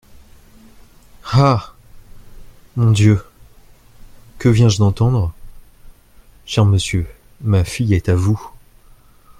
Ah ! mon Dieu ! que viens-je d’entendre ?« Cher monsieur, ma fille est à vous !